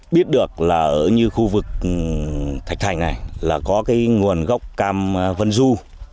biết được là ở như khu vực thạch thành này là có cái nguồn gốc cam vân du